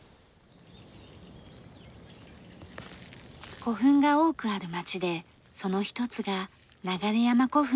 古墳が多くある町でその一つがナガレ山古墳です。